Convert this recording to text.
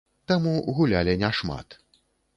Таму гулялі не шмат.